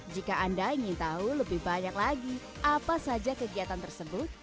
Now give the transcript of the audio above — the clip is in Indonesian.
jika anda ingin tahu lebih banyak lagi apa saja kegiatan tersebut